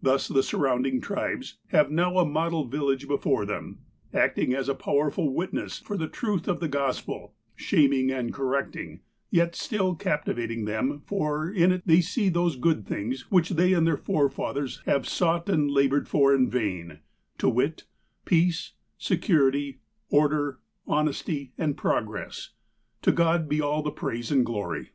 Thus the surrounding tribes have now a model village before them, acting as a powerful witness for the truth of the Gospel, shaming and correcting, yet still captivating, them, for in it they see those good things which they and their fore fathers have sought and laboured for in vain ; to wit — peace, security, order, honesty, and progress. To God be all the praise and glory